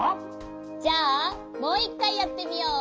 じゃあもういっかいやってみよう。